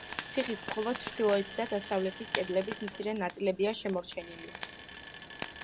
ციხის მხოლოდ ჩრდილოეთი და დასავლეთის კედლების მცირე ნაწილებია შემორჩენილია.